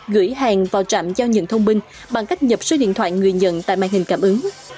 gửi hàng vào trạm giao nhận thông minh bằng cách nhập số điện thoại người nhận tại màn hình cảm ứng